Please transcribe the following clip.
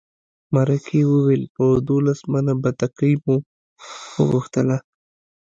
مرکې وویل په دولس منه بتکۍ مو وغوښتله.